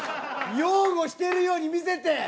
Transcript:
擁護してるように見せて。